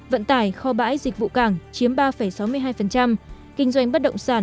vận tải kho bãi dịch vụ cảng kinh doanh bất động sản